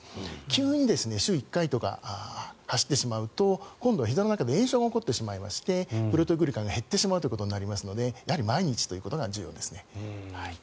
急に週１回とか走ってしまうと今度はひざの中で炎症が起こってしまいましてプロテオグリカンが減ってしまうことになりますので毎日ということが重要ですね。